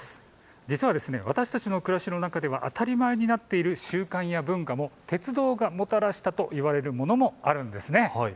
実は私たちの暮らしの中では当たり前になっている習慣や文化も鉄道がもたらしたといわれるものもあるんです。